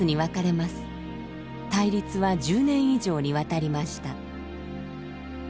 対立は１０年以上にわたりました。